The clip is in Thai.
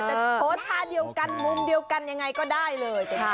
เออทิศภาพเท่ายังกันมุมเต๊ะอย่างไรก็ได้เลย